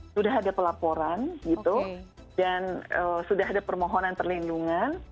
sudah ada pelaporan gitu dan sudah ada permohonan perlindungan